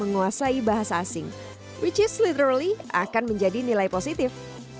menguasai bahasa asing which is literally akan menjadi nilai positif